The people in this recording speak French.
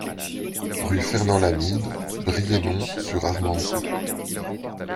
Rue Fernand Lamide, Brienon-sur-Armançon